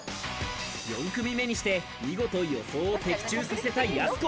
４組目にして見事、予想を的中させたやす子。